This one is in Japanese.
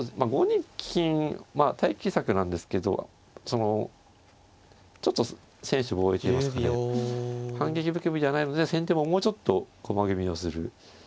５二金待機策なんですけどそのちょっと専守防衛といいますかね反撃含みじゃないので先手ももうちょっと駒組みをする。